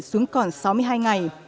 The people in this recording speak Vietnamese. xuống còn sáu mươi hai ngày